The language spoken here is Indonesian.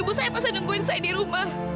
ibu saya masa nungguin saya di rumah